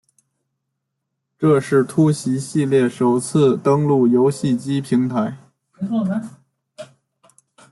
这是突袭系列首次登陆游戏机平台。